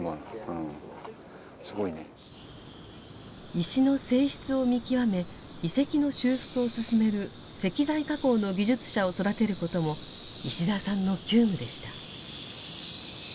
石の性質を見極め遺跡の修復を進める石材加工の技術者を育てることも石澤さんの急務でした。